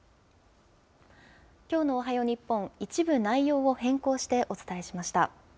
きょうのおはよう日本、一部内容を変更してお伝えしました。